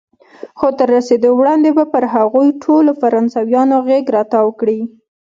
خو تر رسېدو وړاندې به پر هغوی ټولو فرانسویان غېږ را تاو کړي.